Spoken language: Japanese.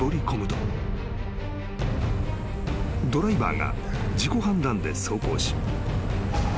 ［ドライバーが自己判断で走行し］